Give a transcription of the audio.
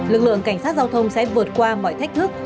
lực lượng cảnh sát giao thông sẽ vượt qua mọi thách thức